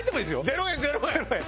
０円０円！